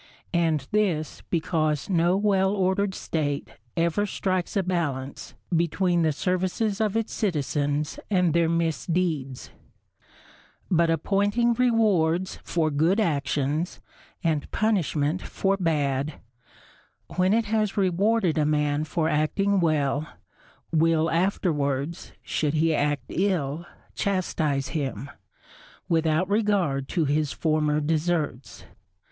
And this because no well ordered State ever strikes a balance between the services of its citizens and their misdeeds; but appointing rewards for good actions and punishment for bad, when it has rewarded a man for acting well, will afterwards, should he act ill, chastise him, without regard to his former deserts.